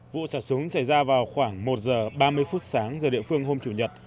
vụ xả súng xảy ra vào khoảng một giờ ba mươi phút sáng giờ địa phương hôm chủ nhật